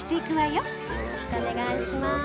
よろしくお願いします。